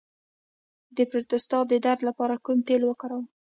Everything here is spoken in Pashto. د پروستات د درد لپاره کوم تېل وکاروم؟